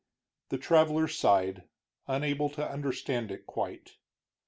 The traveler sighed, unable to understand it quite.